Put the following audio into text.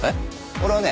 俺はね